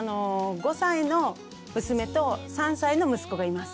５歳の娘と３歳の息子がいます。